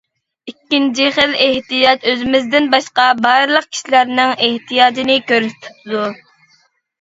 ئىككىنچى خىل ئېھتىياج ئۆزىمىزدىن باشقا بارلىق كىشىلەرنىڭ ئېھتىياجىنى كۆرسىتىدۇ.